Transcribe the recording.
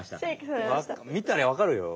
見たらわかるよ。